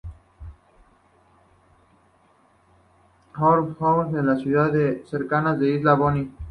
Port Harcourt es la ciudad más cercana a la isla de Bonny.